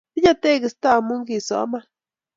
tinye tegisto amu kisoman